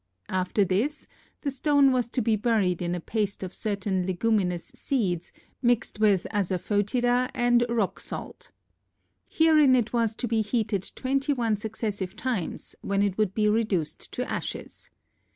After this the stone was to be buried in a paste of certain leguminous seeds mixed with asafœtida and rock salt. Herein it was to be heated twenty one successive times, when it would be reduced to ashes.